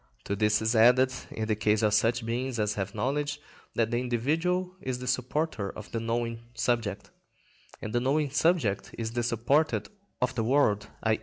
To this is added, in the case of such beings as have knowledge, that the individual is the supporter of the knowing subject, and the knowing subject is the supporter of the world, _i.